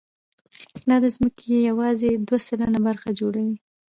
دا د ځمکې یواځې دوه سلنه برخه جوړوي.